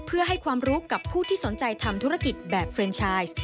เพื่อให้ความรู้กับผู้ที่สนใจทำธุรกิจแบบเฟรนชาย